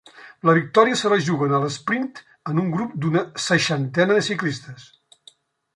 La victòria se la juguen a l'esprint en un grup d'una seixantena de ciclistes.